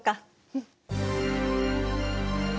うん。